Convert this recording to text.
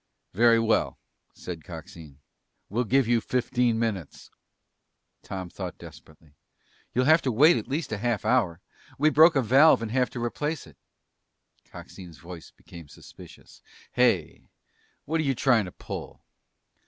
"Very well," said Coxine. "We'll give you fifteen minutes." Tom thought desperately. "You'll have to wait at least a half hour. We broke a valve and have to replace it!" Coxine's voice became suspicious. "Hey, what're you trying to pull?"